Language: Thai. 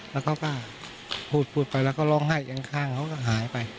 แล้วเขาก็พูดพูดไปแล้วก็ร้องไห้เอียงข้างเขาก็หายไป